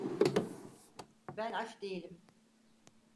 Ben aç değilim.